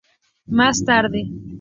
Más tarde